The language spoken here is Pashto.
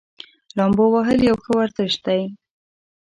لامبو وهل یو ښه ورزش دی.